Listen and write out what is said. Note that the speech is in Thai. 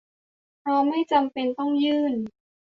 เพราะไม่จำเป็นต้องยื่น